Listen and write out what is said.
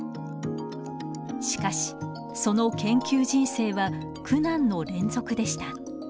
しかしその研究人生は苦難の連続でした。